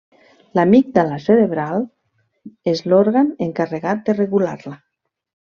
L'amígdala cerebral és l'òrgan encarregat de regular-la.